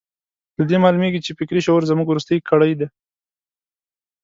له دې معلومېږي چې فکري شعور زموږ وروستۍ کړۍ ده.